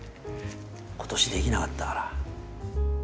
今年できなかったから。